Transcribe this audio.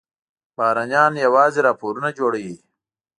بهرنیان یوازې راپورونه جوړوي.